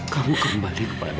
kamu kembali kepadanya